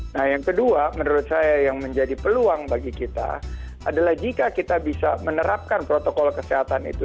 nah yang kedua menurut saya yang menjadi peluang bagi kita adalah jika kita bisa menerapkan protokol kesehatan itu